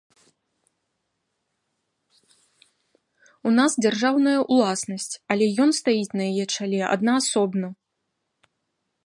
У нас дзяржаўная ўласнасць, але ён стаіць на яе чале аднаасобна.